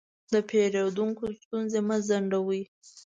د پیرودونکو ستونزې مه ځنډوئ.